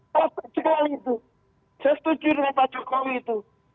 saya setuju dengan bapak jokowi itu